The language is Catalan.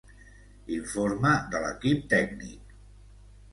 Informe de l’equip tècnic.